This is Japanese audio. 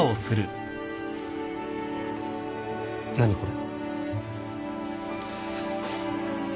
何これ？